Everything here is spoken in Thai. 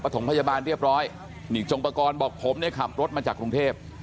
ปฐมพญาบาลเรียบร้อยยิงจงปกรณ์บอกผมจะขับรถมาจากกรุงเทพฯ